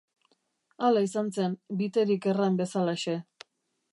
Hala izan zen, Biterik erran bezalaxe.